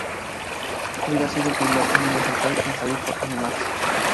Hubiera sido el primer anime hentai en salir por Animax.